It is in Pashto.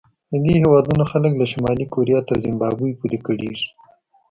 د دې هېوادونو خلک له شمالي کوریا تر زیمبابوې پورې کړېږي.